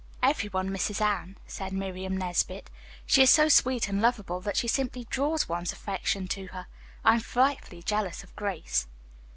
"Every one misses Anne," said Miriam Nesbit. "She is so sweet and lovable that she simply draws one's affection to her. I am frightfully jealous of Grace."